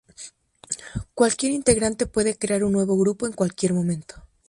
Cualquier integrante puede crear un nuevo grupo en cualquier momento.